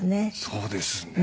そうですね。